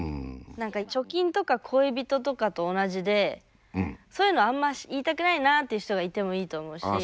何か貯金とか恋人とかと同じでそういうのをあんまし言いたくないなっていう人がいてもいいと思うし。